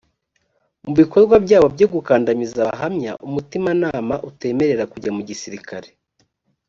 mu bikorwa byabo byo gukandamiza abahamya umutimanama utemerera kujya mu gisirikare